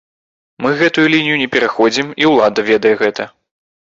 Мы гэтую лінію не пераходзім і ўлада ведае гэта.